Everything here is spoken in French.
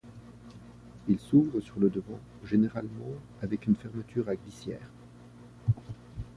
Il s'ouvre sur le devant, généralement avec une fermeture à glissière.